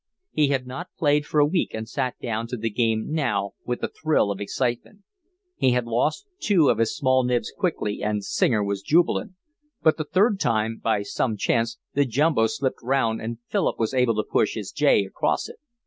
He had not played for a week and sat down to the game now with a thrill of excitement. He lost two of his small nibs quickly, and Singer was jubilant, but the third time by some chance the Jumbo slipped round and Philip was able to push his J across it.